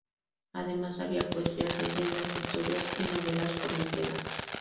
Además había poesías, leyendas, historias y novelas por entregas.